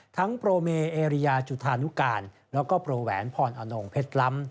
ทั้งโปรเมเอเรียจุธานุการและโปรแหวนพรอโน่งเพทรัม